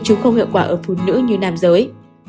chứ không hiệu quả ở phụ nữ như nam giới